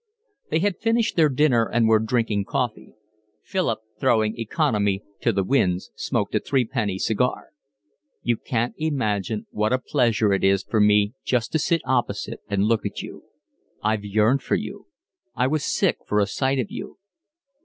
They had finished their dinner and were drinking coffee. Philip, throwing economy to the winds, smoked a three penny cigar. "You can't imagine what a pleasure it is to me just to sit opposite and look at you. I've yearned for you. I was sick for a sight of you."